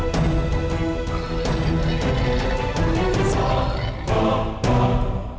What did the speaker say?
kamu kemana kak